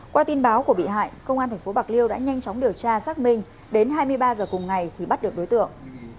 qua tin báo của bị hại công an tp bạc liêu đã nhanh chóng điều tra xác minh đến hai mươi ba h cùng ngày thì bắt được đối tượng